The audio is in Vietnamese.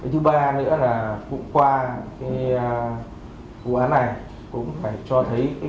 thứ ba nữa là cũng qua cái ủ án này cũng phải cho thấy